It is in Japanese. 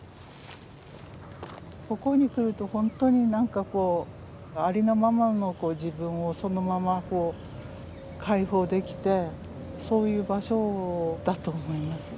ここに来るとほんとに何かこうありのままの自分をそのまま解放できてそういう場所だと思います。